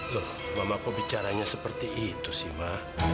loh mama kok bicaranya seperti itu sih ma